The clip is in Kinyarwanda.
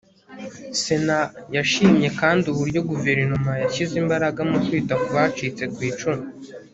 sena yashimye kandi uburyo guverinoma yashyize imbaraga mu kwita ku bacitse ku icumu